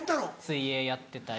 水泳やってたり。